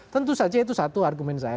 tentu saja itu satu argumen saya